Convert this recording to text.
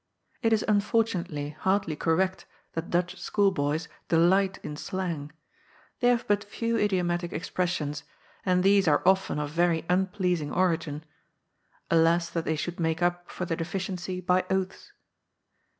It is unfortunately hardly correct that Dutch schoolboys delight in slang. They haye but few idiomatic expressions, and these are often of very unpleasing origin. Alas that they should make up for the deficiency by oaths.